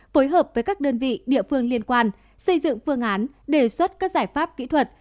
phối hợp với các đơn vị địa phương liên quan xây dựng phương án đề xuất các giải pháp kỹ thuật